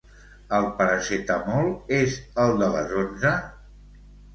El Paracetamol és el de les onze?